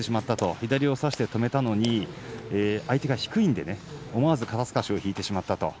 左を差して止めたのに相手が低いので思わず肩すかし引いてしまったと。